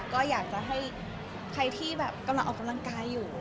ก็อยากจะให้ใครที่แบบกำลังออกกำลังกายอยู่